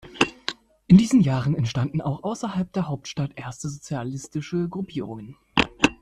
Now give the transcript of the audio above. In diesen Jahren entstanden auch außerhalb der Hauptstadt erste sozialistische Gruppierungen.